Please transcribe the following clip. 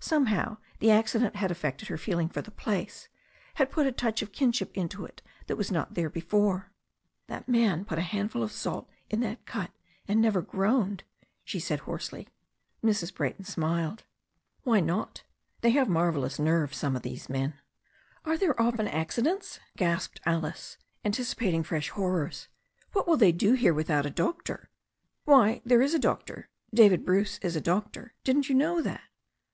Somehow the accident had affected her feeling for the place, had put a touch of kinship into it that was not there before. "That man put a handful of salt in that cut, and never groaned," she said hoarsely. S8 THE STORY OF A NEW ZEALAND RIVER Mrs. Brayton smiled. "Why not? They have marvellous nerve, some of these men." "Are there often accidents?" gasped Alice, anticipating fresh horrors. "What will they do here without a doctor?" "Why, there is a doctor. David Bruce is a doctor. Didn't you know that?"